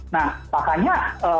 nah makanya memang jadi pertanyaan